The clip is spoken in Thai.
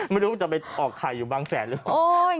ไม่รู้จะไปออกไข่อยู่บางแสนหรือเปล่า